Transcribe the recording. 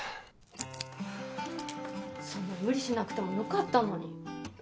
そんな無理しなくてもよかったのに。